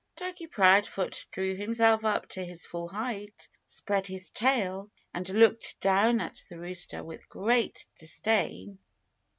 Turkey Proudfoot drew himself up to his full height, spread his tail, and looked down at the rooster with great disdain.